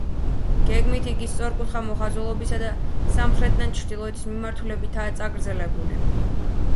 გეგმით იგი სწორკუთხა მოხაზულობისა და სამხრეთიდან ჩრდილოეთის მიმართულებითაა წაგრძელებული.